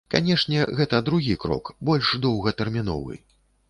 Канешне, гэта другі крок, больш доўгатэрміновы.